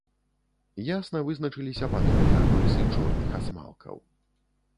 Ясна вызначыліся панурыя абрысы чорных асмалкаў.